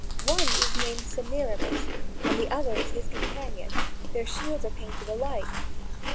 One is named Semiramis, and the other is his companion; their shields are painted alike.